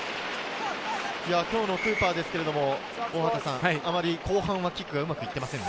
今日のクーパーですけれどあまり後半はうまくいってませんね。